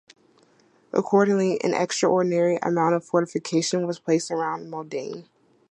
Accordingly, an extraordinary amount of fortification was placed around Modane.